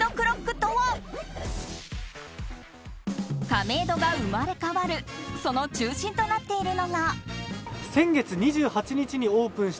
亀戸が生まれ変わるその中心となっているのが。